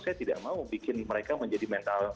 saya tidak mau bikin mereka menjadi mental